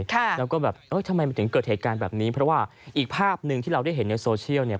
แล้วก็แบบเอ้ยทำไมมันถึงเกิดเหตุการณ์แบบนี้เพราะว่าอีกภาพหนึ่งที่เราได้เห็นในโซเชียลเนี่ย